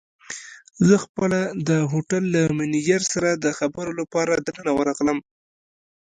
زه خپله د هوټل له مېنېجر سره د خبرو لپاره دننه ورغلم.